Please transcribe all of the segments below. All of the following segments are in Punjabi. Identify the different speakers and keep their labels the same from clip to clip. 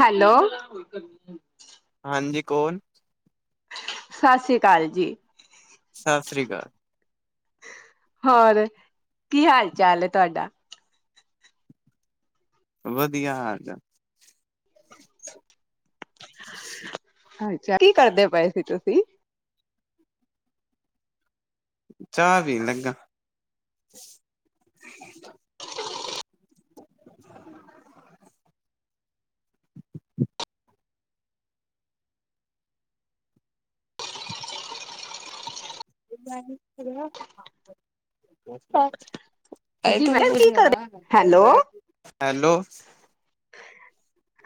Speaker 1: ਹੈਲੋ। ਹਾ ਕਰਨੀ ਆ।
Speaker 2: ਕੌਣ
Speaker 1: ਸਤਿ ਸ੍ਰੀ ਅਕਾਲ ਜੀ।
Speaker 2: ਸਤਿ ਸ੍ਰੀ ਅਕਾਲ।
Speaker 1: ਹੋਰ ਕੀ ਹਾਲ ਚਾਲ ਹੈ ਤੁਹਾਡਾ।
Speaker 2: ਵਧੀਆ ਹਾਲ ਚਾਲ।
Speaker 1: [unintelligible] ਅੱਛਾ ਕੀ ਕਰਦੇ ਪਏ ਸੀ ਤੁਸੀ। [unintelligible]
Speaker 2: ਚਾਹ ਪੀਨ ਲੱਗਾ। ਅੱਛਾ। ਅ
Speaker 1: ਹਾਂਜੀ
Speaker 2: ਤੂੰ
Speaker 1: ਮੈਂ
Speaker 2: ਪੁੱਛ
Speaker 1: ਕੀ
Speaker 2: ਲੈ
Speaker 1: ਕਰਦੇ
Speaker 2: ਨਾ
Speaker 1: ਹੈਲੋ
Speaker 2: ਹੈਲੋ।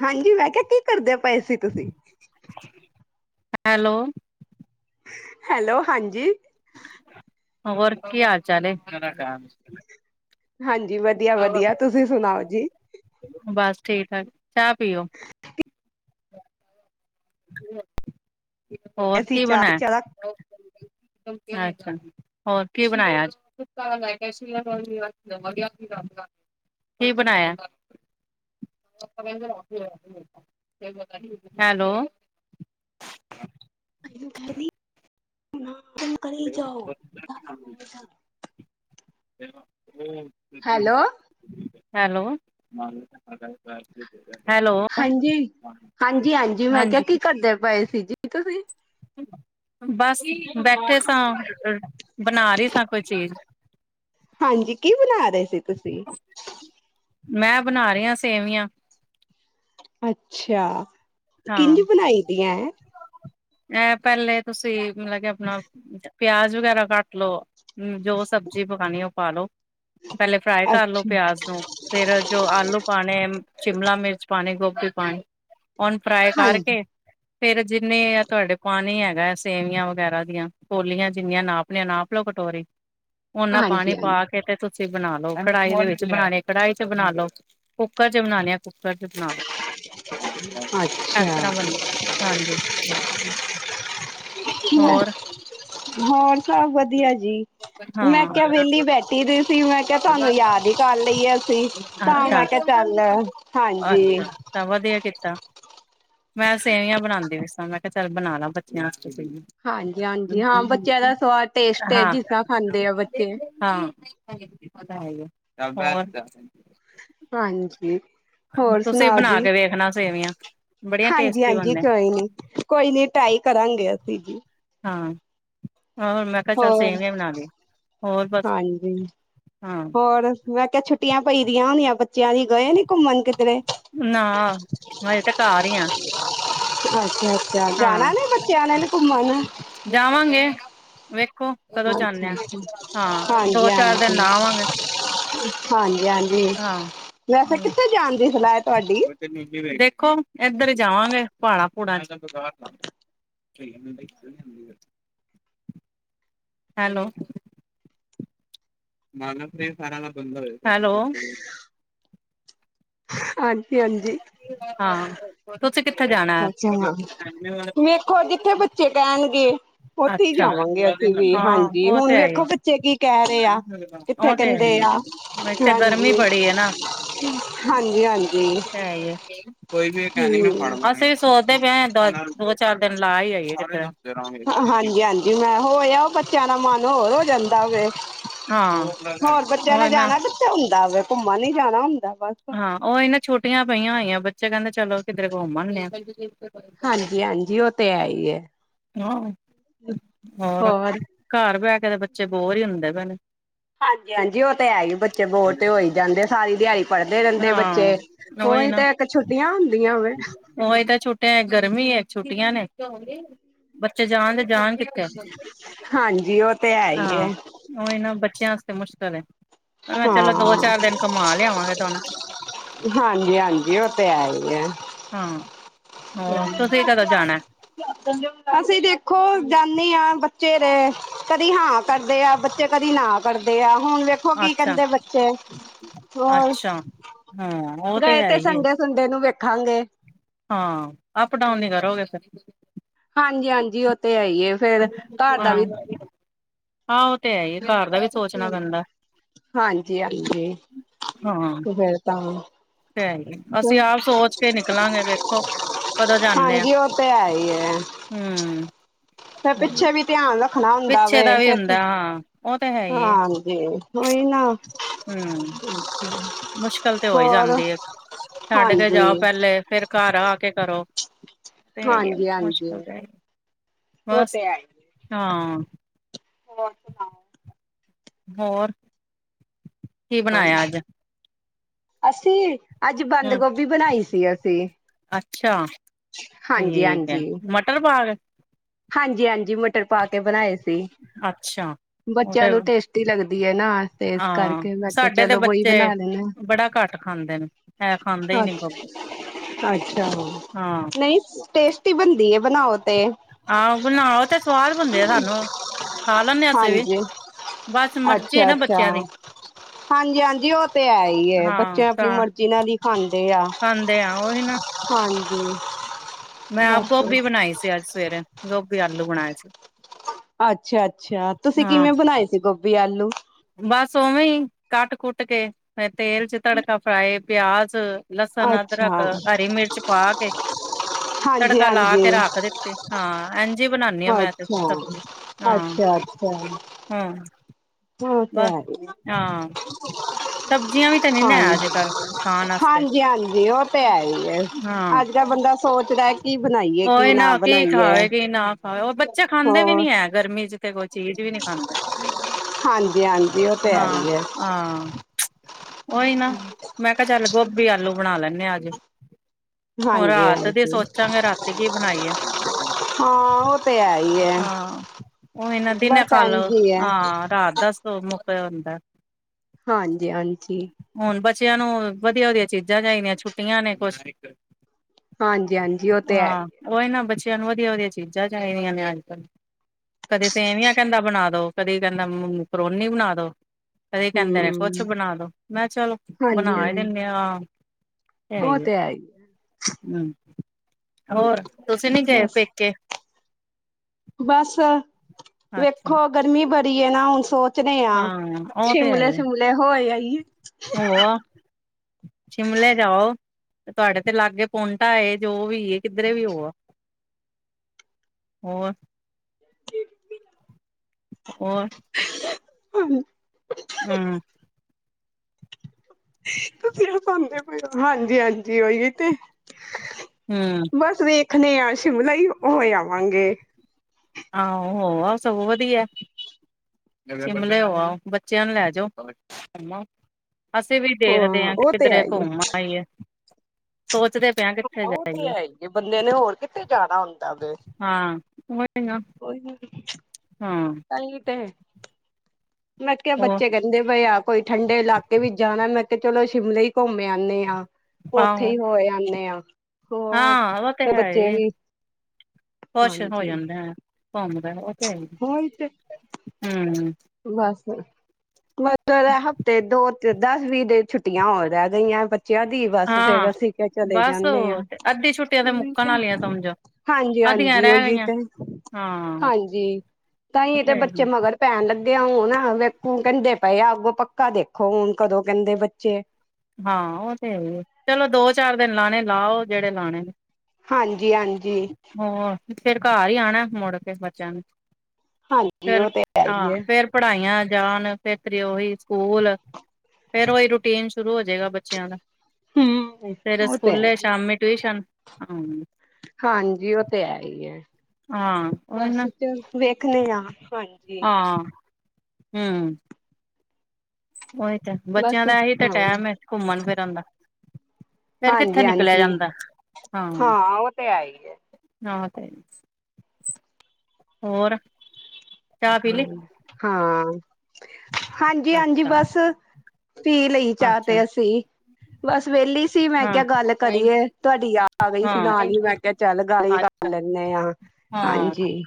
Speaker 1: ਹਾਂਜੀ ਮੈਂ ਕਿਹਾ ਕੀ ਕਰਦੇ ਪੈ ਸੀ ਤੁਸੀਂ।
Speaker 2: ਹੈਲੋ
Speaker 1: ਹੈਲੋ ਹਾਂਜੀ।
Speaker 2: ਹੋਰ ਕੀ ਹਾਲ ਚਾਲ ਹੈ ਤੁਹਾਡਾ।
Speaker 1: ਹਾਂਜੀ। ਜੀ ਵਧੀਆ ਵਧੀਆ ਤੁਸੀਂ ਸੁਣਾਓ ਜੀ।
Speaker 2: ਬਸ ਠੀਕ ਠਾਕ। ਚਾਹ ਪੀਓ। ਕੀ ਹੈ। ਹੋਰ
Speaker 1: ਅਸੀਂ
Speaker 2: ਕੀ
Speaker 1: ਚਾਹ
Speaker 2: ਬਣਾਇਆ।
Speaker 1: ਚਾ
Speaker 2: ਹੋਰ ਕੀ ਬਣਾਇਆ, ਕੀ ਬਣਾਇਆ। ਹੈਲੋ।
Speaker 1: [unintelligible] ਗਰਮ ਕਰੀ ਜਾਓ।
Speaker 2: [inaudible]
Speaker 1: ਹੈਲੋ‌।
Speaker 2: ਹੈਲੋ। ਹੈਲੋ।
Speaker 1: ਹਾਂਜੀ-ਹਾਂਜੀ, ਮੈਂ ਕਿਹਾ
Speaker 2: ਹਾਂਜੀ
Speaker 1: ਕੀ ਕਰਦੇ ਪਏ। [unintelligible]
Speaker 2: ਬਸ ਬੈਠੇ ਸਾਂ, ਬਣਾ ਰਹੀ ਸਾਂ ਕੋਈ ਚੀਜ਼।
Speaker 1: ਹਾਂਜੀ, ਕੀ ਬਣਾ ਰਹੇ ਸੀ ਤੁਸੀਂ।
Speaker 2: ਮੈਂ ਬਣਾ ਰਹੀ ਹਾਂ, ਸੇਵੀਆਂ।
Speaker 1: ਅੱਛਾ।
Speaker 2: ਹਾਂ
Speaker 1: ਕਿੰਝ ਬਣਾਈ ਦੀਆਂ ਹੈ।
Speaker 2: ਇਹ ਪਹਿਲੇ ਤੁਸੀਂ ਮਤਲਬ ਕਿ ਆਪਣਾ ਪਿਆਜ ਵਗੈਰਾ ਕੱਟ ਲਓ। ਹੂ, ਜੋ ਸਬਜ਼ੀ ਪਾਉਣੀ ਉਹ ਪਾਲੋ, ਪਹਿਲੇ ਫਰਾਈ ਕਰ ਲੋ
Speaker 1: ਅੱਛਾ
Speaker 2: ਪਿਆਜ ਨੂੰ, ਫੇਰ ਜੋ ਆਲੂ ਪਾਣੇ, ਸ਼ਿਮਲਾ ਮਿਰਚ ਗੋਭੀ ਪਾਨੀ ਉਹਨੂੰ ਫਰਾਈ
Speaker 1: ਹਾਂਜੀ
Speaker 2: ਕਰਕੇ ਫੇਰ ਜਿੰਨੇ ਆ ਤੁਹਾਡੇ ਪਾਣੀ ਹੈਗਾ, ਸੇਵੀਆਂ ਵਗੈਰਾ ਦੀਆਂ ਕੋਲੀਆਂ ਜਿੰਨੀਆਂ ਨਾਪਨੀਆਂ ਨਾਪ ਲਓ। ਕਟੋਰੀ- ਓਨਾ ਪਾਣੀ
Speaker 1: ਹਾਂਜੀ ਹਾਂਜੀ
Speaker 2: ਪਾ ਕੇ ਤੇ ਬਣਾ ਲੋ। ਕੜਾਹੀ ਦੇ ਵਿੱਚ ਬਣਾਉਣੇ ਕੜਾਹੀ ਚ ਬਣਾ ਲੋ, ਕੁੱਕਰ ਚ ਬਣਾਉਣੇ ਆ ਕੁੱਕਰ ਚ ਬਣਾ ਲੋ।
Speaker 1: ਅੱਛਾ। ਅੱਛਾ।
Speaker 2: ਇਸ ਤਰ੍ਹਾਂ ਬਣਦੇ ਹਾਂਜੀ ਹੋਰ
Speaker 1: ਹੋਰ। ਸਭ ਵਧੀਆ ਜੀ, ਮੈਂ
Speaker 2: ਹਾਂ
Speaker 1: ਕਿਹਾ ਵਿਹਲੀ ਬੈਠੀ ਸੀ। ਮੈਂ ਕਿਹਾ ਤੁਹਾਨੂੰ ਯਾਦ ਹੀ ਕਰ ਲਈਏ ਅਸੀਂ, ਤਾਂ ਮੈਂ
Speaker 2: ਅੱਛਾ
Speaker 1: ਕਿਹਾ ਚੱਲ, ਹਾਂਜੀ।
Speaker 2: ਅੱਛਾ ਤਾਂ ਵਧੀਆ ਕੀਤਾ। ਮੈਂ ਸੇਵੀਆਂ ਬਣਾਂਦੀ ਪਈ ਸੀ। ਮੈਂ ਕਿਹਾ ਚੱਲ ਬਣਾ ਲਵਾਂ ਬੱਚਿਆਂ ਵਾਸਤੇ। ਸੇਵੀਆਂ
Speaker 1: ਹਾਂਜੀ-ਹਾਂਜੀ ਹਾਂ, ਬੱਚਿਆਂ ਦਾ ਸਵਾਦ। ਟੇਸਟ ਏ ਜਿਸ ਤਰ੍ਹਾਂ ਖਾਂਦੇ ਆ ਬੱਚੇ
Speaker 2: ਹਾਂ-ਹਾਂ। [unintelligible]
Speaker 1: ਹਾਂਜੀ, ਹੋਰ
Speaker 2: ਤੁਸੀਂ
Speaker 1: ਸੁਣਾਓ
Speaker 2: ਬਣਾ
Speaker 1: ਜੀ।
Speaker 2: ਕੇ ਵੇਖਣਾ ਸੇਵੀਆਂ ਬੜੀਆਂ
Speaker 1: ਹਾਂਜੀ
Speaker 2: ਟੇਸਟੀ
Speaker 1: ਹਾਂਜੀ
Speaker 2: ਬਣਦੇ
Speaker 1: ਕੋਈ ਨੀ ਕੋਈ ਨੀ ਟਰਾਈ ਕਰਾਂਗੇ ਅਸੀਂ ਜੀ
Speaker 2: ਹਾਂ ਮੈਂ ਕਿਹਾ ਚੱਲ ਹੋਰ ਸੇਮੀਆ ਬਣਾ ਲਈ ਹੋਰ ਬਸ
Speaker 1: ਹਾਂਜੀ
Speaker 2: ਹਾਂ
Speaker 1: ਹੋਰ ਮੈਂ ਕਿਹਾ ਛੁੱਟੀਆਂ ਪਈਆਂ ਦੀਆਂ ਹੋਣੀਆਂ ਬੱਚਿਆਂ ਦੀ ਗਏ ਨੇ ਘੁੰਮਣ ਕਿਧਰੇ
Speaker 2: ਨਾ ਹਜੇ ਤਾਂ ਘਰ ਹੀ ਆ
Speaker 1: ਅੱਛਾ ਅੱਛਾ
Speaker 2: ਹਾਂ
Speaker 1: ਜਾਣਾ ਨੀ ਬੱਚਿਆਂ ਨੇ ਘੁੰਮਣ
Speaker 2: ਵੇ ਦੇਖੋ ਕਦੋਂ ਜਾਂਦੇ ਆ
Speaker 1: ਅੱਛਾ-ਅੱਛਾ
Speaker 2: ਹਾਂ ਦੋ ਚਾਰ ਦਿਨ
Speaker 1: ਹਾਂਜੀ-ਹਾਂਜੀ
Speaker 2: ਲਾ ਆਵਾਂਗੇ
Speaker 1: ਹਾਂਜੀ ਹਾਂਜੀ ਵੈਸੇ ਕਿੱਥੇ ਜਾਣ ਦੀ ਸਲਾਹ ਏ ਤੁਹਾਡੀ
Speaker 2: ਕੌਣ ਇੱਧਰ ਹੀ ਜਾਵਾਂਗੇ ਪਹਾੜਾਂ ਪਹੂੰੜਾ ਚ ਹੈਲੋ ਹੈਲੋ
Speaker 1: ਹਾਂਜੀ ਹਾਂਜੀ
Speaker 2: ਹਾਂ ਤੁਸੀਂ ਕਿੱਥੇ ਜਾਣਾ ਹੈ?
Speaker 1: ਅੱਛਾ ਹਾਂ ਵੇਖੋ ਜਿੱਥੇ ਬੱਚੇ ਕਹਿਣਗੇ ਉੱਥੇ ਹੀ
Speaker 2: ਅੱਛਾ
Speaker 1: ਜਾਵਾਂਗੇ ਅਸੀਂ ਵੀ
Speaker 2: ਹਾਂ
Speaker 1: ਹਾਂਜੀ
Speaker 2: ਉਹ
Speaker 1: ਹੁਣ
Speaker 2: ਤੇ ਹੈ ਹੀ
Speaker 1: ਵੇਖੋ ਬੱਚੇ ਕੀ ਕਹਿ ਰਹੇ ਆ ਕਿੱਥੇ
Speaker 2: ਉਹ ਤੇ
Speaker 1: ਕਹਿੰਦੇ ਆ
Speaker 2: ਹੈ ਇਥੇ ਗਰਮੀ
Speaker 1: ਹਾਂਜੀ
Speaker 2: ਬੜੀ ਹੈ ਨਾ
Speaker 1: ਹਾਂਜੀ ਹਾਂਜੀ ਹਮ
Speaker 2: ਸੋਚ ਦੇ ਪਏ ਦੋ ਚਾਰ ਦਿਨ ਲਾ ਹੀ ਆਈ
Speaker 1: ਹਾਂਜੀ ਹਾਂਜੀ ਮੈਂ ਹੋਇਆ ਉਹ ਬੱਚਿਆਂ ਦਾ ਮਨ ਹੋਰ ਹੋ ਜਾਂਦਾ ਹੋਵੇ
Speaker 2: ਹਾਂ
Speaker 1: ਹੋਰ ਬੱਚਿਆਂ ਨੇ
Speaker 2: ਉਹ ਨਾ
Speaker 1: ਜਾਣਾ ਬੱਚੇ ਹੁੰਦਾ ਹੋਵੇ ਘੁੰਮਣ ਨੀ ਜਾਣਾ ਹੁੰਦਾ ਬਸ
Speaker 2: ਹਾਂ ਉਹ ਇਹ ਨਾ ਛੋਟਾ ਛੁੱਟੀਆਂ ਪਈਆਂ ਹੋਈਆਂ ਬੱਚੇ ਕਹਿੰਦੇ ਚਲੋ ਕਿੱਧਰੇ ਘੁੰਮਣ
Speaker 1: ਹਾਂਜੀ ਹਾਂਜੀ, ਉਹ ਤੇ ਹੈ ਈ ਐ।
Speaker 2: ਹਾਂ, ਹੋਰ ਘਰ ਬਹਿ ਦੇ ਬੱਚੇ ਬੋਰ ਹੀ ਹੁੰਦੇ ਪੈ ਨੇਂ।
Speaker 1: ਹਾਂਜੀ ਹਾਂਜੀ, ਉਹ ਤੇ ਹੈਈ ਬੱਚੇ ਬੋਰ ਤੇ ਹੋ ਈ ਜਾਂਦੇ ਸਾਰੀ ਦਿਹਾੜੀ ਪੜ੍ਹਦੇ ਰਹਿੰਦੇ
Speaker 2: ਹਾਂ
Speaker 1: ਬੱਚੇ ਉਹੀ ਤੇ ਇੱਕ ਛੁੱਟੀਆਂ ਹੁੰਦੀਆਂ ਵੇ
Speaker 2: ਉਹੀ ਤਾਂ ਛੁੱਟੀਆਂ ਗਰਮੀ ਹੈ ਛੁੱਟੀਆਂ ਨੇ ਬੱਚੇ ਜਾਣ ਦੇ
Speaker 1: ਹਾਂਜੀ ਉਹ ਤੇ ਹੈ ਹੀ
Speaker 2: ਹਾਂ,
Speaker 1: ਹੈ
Speaker 2: ਉਹ ਇਨਾਂ ਬੱਚ ਬੱਚਿਆਂ ਆਸਤੇ ਮੁਸ਼ਕਿਲ ਐ।
Speaker 1: ਹਾਂ,
Speaker 2: ਲਿਆਵਾਂਗੇ ਤੁਹਾਨੂੰ
Speaker 1: ਹਾਂਜੀ, ਹਾਂਜੀ ਉਹ ਤੇ ਹੈ ਈਐ
Speaker 2: ਹਾਂ। ਹੋਰ ਤੁਸੀਂ ਕਦੋਂ ਜਾਣਾ
Speaker 1: [unintelligible] ਅਸੀਂ ਤੇ ਦੇਖੋ ਜਾਂਣੀ ਆਂ ਬੱਚੇ ਦੇ ਕਦੀ ਹਾਂ ਕਰਦੇ ਆ, ਬੱਚੇ ਕਦੀ ਨਾ ਕਰਦੇ ਆ ਹੁਣ ਵੇਖੋ ਕੀ
Speaker 2: ਅੱਛਾ
Speaker 1: ਕਹਿੰਦੇ ਬੱਚੇ
Speaker 2: ਅੱਛਾ ਹਾਂ ਉਹ
Speaker 1: ਗਏ
Speaker 2: ਹੈ
Speaker 1: ਤੇ
Speaker 2: ਹੀ ਹੈ
Speaker 1: ਸੰਡੇ ਸੁੰਡੇ ਨੂੰ ਵਖ ਖਾਂਗੇ।
Speaker 2: ਹਾਂ, ਅਪ ਡਾਊਨ ਨੀਂ ਕਰੋਗੇ ਫਿਰ ਤੁਸੀ
Speaker 1: ਹਾਂਜੀ, ਹਾਂਜੀ। ਉਹ ਤੇ ਹੈ ਈਏ ਫੇਿਰ ਘਰ ਦਾ
Speaker 2: ਹਾਂ
Speaker 1: ਵੀ
Speaker 2: ਹਾਂ ਉਹ ਤੇ ਹੈ ਈ।
Speaker 1: ਹਾਂਜੀ, ਹਾਂਜੀ। ਉਬਰ ਤਾਂ
Speaker 2: ਓ ਤੇ ਹੈ ਹੇ, ਅਸੀਂ ਆਪ ਸੋਚ ਕੇ ਨਿਕਲਾਂਗੇ ਫਿ ਹਾਂ
Speaker 1: ਹਾਂਜੀ। ਉਹ ਤੇ ਹੈ ਈ ਐ,
Speaker 2: ਹਮ
Speaker 1: [unintelligible] ਪਿੱਛੇ ਵੀ ਧਿਆਨ ਰੱਖ ਰਖਣਾ ਹੁੰਦਾ
Speaker 2: ਪਿੱਛੇ
Speaker 1: ਵੇ,
Speaker 2: ਦਾ ਵੀ
Speaker 1: ਫਿਰ
Speaker 2: ਹੁੰਦਾ ਹਾਂ ਉਹ ਤੇ ਹੈ ਹੀ ਹੈ
Speaker 1: ਹਾਂਜੀ, ਉਹੀ ਨਾਂ
Speaker 2: ਹਮ ਮੁਸ਼ਕਿਲ ਤੇ ਹੋਈ
Speaker 1: ਹੋਰ।
Speaker 2: ਜਾਂਦੀ ਹੈ ਛੱਡ ਕੇ
Speaker 1: ਹਾਂਜੀ।
Speaker 2: ਜਾਓ ਪਹਿਲੇ ਫੇਰ ਘਰ ਆ ਕੇ ਕਰੋ ਤੇ ਹੈ ਹੀ
Speaker 1: ਹਾਂਜੀ, ਹਾਂਜੀ।
Speaker 2: ਮੁਸ਼ਕਿਲ ਤੇ ਹੈ ਹੀ।
Speaker 1: ਉਹ
Speaker 2: ਬਸ
Speaker 1: ਤੇ ਹੈਈ।
Speaker 2: ਹਾਂ।
Speaker 1: ਹੋਰ ਸੁਣਾਓ।
Speaker 2: ਹੋਰ ਕੀ
Speaker 1: ਹਾਂਜੀ
Speaker 2: ਬਣਾਇਆ ਅੱਜ
Speaker 1: ਅਸੀਂ ਅੱਜ ਬੰਦ
Speaker 2: ਹਮ
Speaker 1: ਗੋਭੀ ਬਣਾਈ ਸੀ ਅਸ ਤੇ।
Speaker 2: ਅੱਛਾ। ਠੀਕ ਹੈ
Speaker 1: ਹਾਂਜੀ
Speaker 2: ਮਟਰ ਪਾ ਕ
Speaker 1: ਹਾਂਜੀ, ਹਾਂਜੀ। ਮਟਰ ਪਾ ਕੇ ਬਣਾਏ ਸੀ।
Speaker 2: ਅੱਛਾ ਉਹ
Speaker 1: ਬੱਚਿਆਂ
Speaker 2: ਤੇ
Speaker 1: ਨੂੰ ਟੇਸਟੀ ਲੱਗਦੀ ਹੈ ਨਾ ਤੇ ਇਸ
Speaker 2: ਹਾਂ
Speaker 1: ਕਰਕੇ ਮੈਂ ਕਿਹਾ
Speaker 2: ਸਾਡੇ ਤੇ
Speaker 1: ਚਲੋ ਵਹੀ
Speaker 2: ਬੱਚੇ
Speaker 1: ਬਣਾ ਲੈਣਾ
Speaker 2: ਬੜਾ ਘੱਟ ਖਾਂਦੇ ਨੇ ਹੈ ਖਾਂਦੇ ਹੀ ਨੀ ਗੋਭੀ
Speaker 1: ਅੱਛਾ
Speaker 2: ਹਾਂ
Speaker 1: ਨਹੀਂ ਰਟੀ ਬਣਦੀ ਬਣਾਓ ਤੇ।
Speaker 2: ਆਹੋ ਬਣਾਓ ਤੇ ਸਵਾਦ ਬਣਦੇ ਆ ਸਾਨੂੰ ਖਾ ਲੈਂਦੇ ਹਾਂ ਅਸੀਂ ਵੀ
Speaker 1: ਹਾਂਜੀ
Speaker 2: ਬਸ ਮਰਜ਼ੀ ਹੈ
Speaker 1: ਅੱਛਾ,
Speaker 2: ਨਾ ਬੱਚਿਆਂ ਦੀ
Speaker 1: ਅੱਛਾ--ਹਾਂਜੀ, ਹਾਂਜੀ ਉਹ ਤੇ ਹੈ ਹੀ
Speaker 2: ਹਾਂ
Speaker 1: ਬੱਚੇ ਆਪਣੀ
Speaker 2: ਤਾਂ
Speaker 1: ਮਰਜੀੀ ਨਾਲ ਹੀ ਖਾਂਦੇ ਆ
Speaker 2: ਖਾਂਦੇ ਆ ਉਹੀ ਨਾ
Speaker 1: ਹਾਂਜੀ।
Speaker 2: ਮੈਂ ਆਪ
Speaker 1: ਬਸ
Speaker 2: ਗੋਭੀ ਬਣਾਈ ਸੀ ਅੱਜ ਸਵੇਰੇ ਗ ਵੀੀ ਆਲੂ ਬਣਾਏ ਸੀ
Speaker 1: ਅੱਛਾ ਅੱਛਾ ਤੁਸੀਂ
Speaker 2: ਹਾਂ
Speaker 1: ਕਿਵੇਂ ਬਣਾਏ ਸੀ ਗੋਭੀ ਆਲੂ ਹੈਲੋ
Speaker 2: ਬਸ ਉਵੇਂ ਕੱਟ ਕੁਟ ਕੇ ਫ ਤੇਲ ਚ ਤੜਕਾ ਫਰਾਏ ਪਿਆਜ ਲਸਣ ਅਦਰਕ
Speaker 1: ਅੱਛਾ
Speaker 2: ਹਰੀ ਮਿਰਚ ਪਾ ਕੇ
Speaker 1: ਹਾਂਜੀ
Speaker 2: ਤੜਕਾ ਲਾ
Speaker 1: ਹਾਂਜੀ
Speaker 2: ਕੇ ਰੱਖ ਦਿੱਤੀ ਹਾਂ ਇੰਝੀ ਬਣਾਉਦੀ ਹ ਮੈਂ ਤੇ
Speaker 1: ਅੱਛਾ
Speaker 2: ਸਬਜ਼ੀ ਹਾਂ
Speaker 1: ਅੱਛਾ ਅੱਛਾ
Speaker 2: ਹਮ
Speaker 1: ਉਹ ਤੇ ਹੈ
Speaker 2: ਸਬਜ਼ੀਆਂ ਵੀ ਤਾਂ ਨੀ ਨਾ
Speaker 1: ਹਾਂਜੀ
Speaker 2: ਅੱਜ ਕੱਲ ਖਾਣ ਵਾਸਤੇ
Speaker 1: ਹਾਂਜੀ ਹਾਂਜੀ ਉਹ ਤੇ ਹੈ ਹੀ ਹੈ ਅੱਜ ਕੱਲ੍ਹ ਬੰਦਾ ਸੋਚ
Speaker 2: ਉਹ ਇਹ ਨਾ ਕੀ ਖਾਵੇ ਕੀ ਨਾ ਖਾਵੇ ਉਹ ਬੱਚੇ ਖਾਂਦੇ ਵੀ
Speaker 1: ਹੋਰ
Speaker 2: ਨੀ ਹੈ ਗਰਮੀ ਚ ਤੇ ਕੋਈ ਚੀਜ਼ ਵੀ ਨਹੀਂੀ ਖਾਂਦੇ
Speaker 1: ਹਾਂਜੀ ਹਾਂਜੀ ਉਹ ਤੇ ਹੈ
Speaker 2: ਹਾਂ
Speaker 1: ਹੀ ਆ
Speaker 2: ਹਾਂ ਉਹੀ ਨਾ ਮੈਂ ਕਿਹਾ ਚੱਲ ਗੋਬ ਵੀ ਆਲੂ ਬਣਾ ਲੈਂੇ ਆ ਅੱਜ
Speaker 1: ਹਾਂਜੀ ਹਾਂਜੀ
Speaker 2: ਚਾਂਗੇ ਰਾਤੀ ਕੀ ਬਣਾਈ ਹੈ
Speaker 1: ਹਾਂ ਉਹ ਤੇ ਹੈ ਹੀ ਹੈ
Speaker 2: ਹਾਂ ਉਹੀ ਨਾ
Speaker 1: ਬਸ ਇਝ ਹੈ
Speaker 2: ਸ ਮੁਕੇੇ ਹੁੰਦਾ
Speaker 1: ਹਾਂਜੀ ਹਾਂਜੀ
Speaker 2: ਹੁਣ ਬੱਚਿਆਂ ਨੂੰ ਵਧੀਆ ਵਧੀਆ ਚੀਜ਼ਾਂ ਚਾਹੀਦੀਆਂ ਛੁੱਟੀਆਂ ਨੇ ਕੁਛ
Speaker 1: ਹਾਂਜੀ ਹਾਂਜੀ ਉਹ ਤੇ ਹੈ
Speaker 2: ਹਾਂ
Speaker 1: ਹੈ।
Speaker 2: ਹੀ ਨਾ ਬੱਚ ਬੱਚਿਆਂ ਨੂੰ ਵਧੀਆ ਵਧੀਆ ਚੀਜ਼ਾਂ ਚਾਹੀਦੀਆਂ ਨੇ ਅੱਜ ਕੱਲ ਕਦੇ ਸੇਵੀਆਂ ਕਹਿੰਦਾ ਬਣਾ ਦੋ ਕਦੇ ਕਹਿੰਦਾ ਕਰੋਨੀ ਬਣਾ ਦੋ ਕਦੇ ਕਹਿੰਦੇ
Speaker 1: ਹਮ
Speaker 2: ਨੇ ਕੁਛ ਬਣਾ ਦੋ ਮੈਂ ਕਿਹਾ ਚਲ ਬਣਾ
Speaker 1: ਹਾਂਜੀ
Speaker 2: ਹੀ ਦਿੰੇ
Speaker 1: ਹਾਂਜੀ
Speaker 2: ਆ ਹਾਂ ਹੈ
Speaker 1: ਉਹ
Speaker 2: ਹੀ ਆ
Speaker 1: ਤੇ ਹੈ।
Speaker 2: ਹਮ ਹੋਰ ਤੁਸੀਂ ਨੀ ਗਏ
Speaker 1: ਬਸ
Speaker 2: ਪੇਕੇ
Speaker 1: ਬਸ
Speaker 2: ਅੱਛਾ
Speaker 1: ਵੇਖੋ ਗਰਮੀ ਬੜ ਏ ਨਾ ਹੁਣ ਸੋਚ ਦੇ ਆ
Speaker 2: ਹਾਂ ਉਹ ਤੇ ਹੈ ਹੀ
Speaker 1: ਸ਼ਿਮਲੇ
Speaker 2: ਆ।
Speaker 1: ਸ਼ਿਮਲੇ ਹੋ ਆਈਏ।
Speaker 2: ਹੋ ਸ਼ਿਮਲੇ ਜਾਓ ਤੇ ਤੁਹਾਡੇ ਤੇ ਲਾਗੇ ਪੌਟਾ ਏ ਜੋ ਵੀ ਕਿੱਧਰੇ ਵੀ ਹੋ ਆ ਹੋਰ ਹੋਰ। ਹੂੰ
Speaker 1: ਦੇ ਹਾਂਜੀ ਹਾਂਜੀ ਹੀ ਤੇ
Speaker 2: ਹੂੰ
Speaker 1: ਨੇ ਆ ਸ਼ਿਮਲਾ ਹੀ ਓਹੋ ਆਗੇ
Speaker 2: ਆਹੋ ਹੋ ਆ ਸਭ ਵਧੀਆ ਸ਼ਿਮਲੇ ਹੋ ਆ ਬੱਚਿਆਂ ਨੂੰ ਲੈ ਜਾਓ। ਅਸੀਂ ਵੀ ਦੇਖਦੇ ਹਾਂ ਕਿ
Speaker 1: ਉਹ ਤੇ ਹੈ
Speaker 2: ਕਿਧਰੇ
Speaker 1: ਹੀ ਹੈ,
Speaker 2: ਘੁੰਮ ਆ ਹੀ ਆ। ਕਿੱਥੇ
Speaker 1: ਉਹ ਤੇ
Speaker 2: ਜਾਈਏ
Speaker 1: ਹੈ ਈ ਬੰਦੇ ਨੇ ਹੋਰ ਕਿੱਥੇ ਜਾਣਾ ਹੁੰਦਾ ਵੇ।
Speaker 2: ਹਾਂ ਉਹੀ ਨਾ
Speaker 1: ਕੋਈ ਨੀ [unintelligible]
Speaker 2: ਹਾਂ
Speaker 1: ਤਾਂ ਹੀ ਤੇ ਮੈਂ ਕਿਹਾ
Speaker 2: ਉਹ
Speaker 1: ਬੱਚੇ ਕਹਿੰਦੇ ਪਏ ਆ ਕੋਈ ਠੰਡੇ ਇਲਾਕੇ ਵਿੱਚ ਜਾਣਾ ਮੈਂ। ਤੇ ਚਲੋ ਸ਼ਿਮਲੇ ਹੀ ਘੁੰਮ ਆਨੇਂਆਂ ਉੱਥੇ
Speaker 2: ਆਹੋ
Speaker 1: ਹੀ ਹੋਯ ਆਨੇਂਆਂ।
Speaker 2: ਹਾਂ ਉਹ ਤੇ ਹੈ ਈ ਖੁਸ਼ ਹੋ
Speaker 1: ਹਾਂਜੀ
Speaker 2: ਜਾਂਦਾ ਹੈ। ਘੁੰਮ ਦੇ ਉਹ ਤੇ ਹੈ ਈ
Speaker 1: ਹੋਰ ਤੇ
Speaker 2: ਹੂੰ
Speaker 1: ਬਸ ਮਤਲਬ ਹਫ਼ਤੇ ਦੋ ਹਫ਼ਤੇ ਦਸ ਵੀਹ ਦਿਨ ਛੁੱਟੀਆਂ ਹੋਰ ਆ ਗਈਆਂ ਫਿਰ। ਬਸ
Speaker 2: ਹਾਂ
Speaker 1: ਫੇਰ ਅਸੀ ਤਾਂ ਚਲੇ
Speaker 2: ਬਸ ਉਹ
Speaker 1: ਜਾਂਨੇਂਆਂ
Speaker 2: ਅੱਧੀ ਛੁੱਟੀਆਂ
Speaker 1: ਉਹੀ
Speaker 2: ਮੁੱਕਣ
Speaker 1: ਤੇ
Speaker 2: ਆਲੀਆਂ ਸਮਝੋ ਅੱਧੀਆਂ
Speaker 1: ਹਾਂਜੀ-ਹਾਂਜੀ
Speaker 2: ਰਹਿ
Speaker 1: ਉਹੀਓ
Speaker 2: ਗਈਆਂ
Speaker 1: ਤੇ
Speaker 2: ਹਾਂ
Speaker 1: ਹਾਂਜੀ
Speaker 2: ਉਹ
Speaker 1: ਤਾਂਹੀਓ ਤੇ ਬੱਚੇ
Speaker 2: ਹੈ
Speaker 1: ਮਗਰ ਪੈਣ ਲੱਗ ਕਹਿੰਦੇ ਪਏਆਂ ਅੱਗੋ ਪੱਕਾ ਦੇਖੋ ਹੁਣ ਕਦੋਂ ਕਹਿੰਦੇ ਬੱਚੇ।
Speaker 2: ਹਾਂ ਉਹ ਤੇ ਹੈ ਈ ਐ ਚਲੋ ਦੋ ਚਾਰ ਦਿਨ ਲਾਣੇ ਲਾ ਆਓ ਜਿਹੜੇ ਲਾਣੇ ਨੇ।
Speaker 1: ਹਾਂਜੀ-ਹਾਂਜੀ
Speaker 2: ਹੋਰ ਫੇਰ ਘਰ ਹੀ ਆਉਣਾ ਏ ਮੁੜ ਕੇ ਬੱਚਿਆਂ ਨੂੰ।
Speaker 1: ਹਾਂਜੀ
Speaker 2: ਫੇਰ
Speaker 1: ਉਹ ਤੇ ਹੈ ਹੀ
Speaker 2: ਆਹ
Speaker 1: ਹੈ
Speaker 2: ਫੇਰ ਪੜ੍ਹਾਈਆਂ ਜਾਨ ਫੇਰ ਤੇਰੀ ਉਹੀ ਸਕੂਲ ਫੇਰ ਉਹੀ ਰੂਟੀਨ ਚ ਸ਼ੁਰੂ ਹੋ ਜਾਏਗਾ ਬੱਚਿਆਂ ਦਾ।
Speaker 1: ਹੂੰ
Speaker 2: ਸਵੇਰੇ
Speaker 1: ਉਹ ਤੇ ਹੈ
Speaker 2: ਸਕੂਲੇ
Speaker 1: ਈ ਐ
Speaker 2: ਸ਼ਾਮੀ ਟਿਊਸ਼ਨ ਹਾਂ
Speaker 1: ਹਾਂਜੀ ਉਹ ਤੇ ਹੈ ਈ ਐ।
Speaker 2: ਹਾਂ ਉਹ ਹੀ ਨਾ।
Speaker 1: ਵੇਖਨ ਲਈ ਜਾਣਾ।
Speaker 2: ਹਾਂ ਹੂੰ ਉਹੀ ਤੇ ਬੱਚਿਆਂ
Speaker 1: ਬਸ
Speaker 2: ਦਾ ਇਹੀ ਤੇ
Speaker 1: ਹਾਂ
Speaker 2: ਟਾਇਮ ਹੈ ਘੁੰਮਨ ਫਿਰਨ ਦਾ। ਫੇਰ ਕਿੱਥੇ ਨਿਕਲਿਆ
Speaker 1: ਹਾਂਜੀ-ਹਾਂਜੀ
Speaker 2: ਜਾਂਦਾ
Speaker 1: ਹਾਂ ਉਹ ਤੇ ਹੈ ਈ ਐ।
Speaker 2: ਹਾਂ ਹਾਂ ਕੋਈ ਨੀ ਹੋਰ ਚਾਹ ਪੀ ਲਈ
Speaker 1: ਹਾਂ-ਹਾਂ ਹਾਂਜੀ-ਹਾਂਜੀ
Speaker 2: ਅੱਛਾ
Speaker 1: ਬਸ ਪੀ ਲਈ ਚਾਹ
Speaker 2: ਅੱਛਾ
Speaker 1: ਤੇ ਅਸੀ ਬਸ ਵਿਹਲੀਸੀ ਮੈਂ
Speaker 2: ਹਾਂ
Speaker 1: ਕਿਹਾ ਗੱਲ ਕਰੀਏ ਤੁਹਾਡੀ ਯਾਦ ਆ ਗਈ ਸੀ
Speaker 2: ਹਾਂ
Speaker 1: ਨਾਲ ਹੀ ਮੈਂ ਕਿਹਾ ਚੱਲ ਗੱਲ ਹੀ
Speaker 2: ਅੱਛਾ
Speaker 1: ਕਰ ਲੈਂਨੇਂ ਹਾਂ
Speaker 2: ਹਾਂ
Speaker 1: ਹਾਂਜੀ।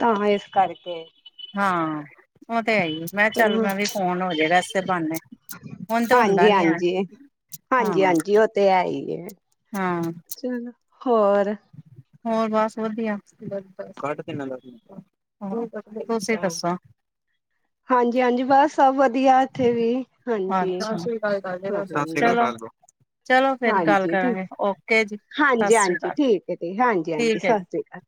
Speaker 1: ਤਾਂਹ ਇਸ ਕਰਕੇ
Speaker 2: ਹਾਂ ਉਹ ਤੇ ਆਈ ਮੈਂ ਕਿਹਾ ਚੱਲ
Speaker 1: ਚਲੋ
Speaker 2: ਮੈਂ ਵੀ ਫੋਨ ਹੋਜੇ ਵੈਸੇ ਪਾਉਦੇੇ ਹੁਣ ਤੇ ਹੁੰਦਾ
Speaker 1: ਹਾਂਜੀ
Speaker 2: ਨੀ ਆ
Speaker 1: ਹਾਂਜੀ ਹਾਂਜੀ
Speaker 2: ਹਾਂ
Speaker 1: ਹਾਂਜੀ ਉਹ ਤੇ [inaudible]
Speaker 2: ਹਾਂ
Speaker 1: ਚਲੋ ਹੋਰ
Speaker 2: ਹੋਰ ਬਸ ਵਧੀਆ ਤੁਸੀਂ ਦੱਸੋ
Speaker 1: ਹਾਂਜੀ ਹਾਂਜੀ ਬਸ ਸਭ ਵਧੀਆ ਇੱਥੇ ਵੀ ਹਾਂਜੀ ਹ
Speaker 2: ਅੱਛਾ
Speaker 1: ਹਜੀ
Speaker 2: ਚਲੋ ਚਲੋ ਫੇਰ ਗੱਲ
Speaker 1: ਹਾਂਜੀ ੀ
Speaker 2: ਕਰਾਂਗੇ ਓਕੇ ਜੀ ਸਤਿ
Speaker 1: ਹਾਂਜੀ
Speaker 2: ਸ੍ਰੀ
Speaker 1: ਹਾਂਜੀ
Speaker 2: ਅਕਾਲ
Speaker 1: ਠੀਕ ਹਾਂਜੀ ਹਾਂਜੀ ਸਤਿ
Speaker 2: ਠੀਕ ਹੈ ਜੀ
Speaker 1: ਸ੍ਰੀ ਅਕਾਲ